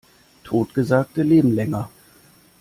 Totgesagte leben länger.